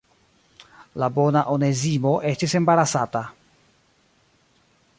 La bona Onezimo estis embarasata.